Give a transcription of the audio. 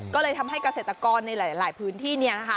ก็เลยทำให้เกษตรกรในหลายพื้นที่เนี่ยนะคะ